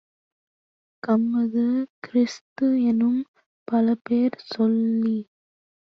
கம்மது, கிறிஸ்து-எனும் பலபேர் சொல்லிச்